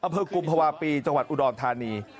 อำเภอกุมภาวะปีจังหวัดอุดรธานี